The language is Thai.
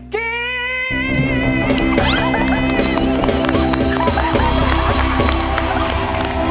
คิด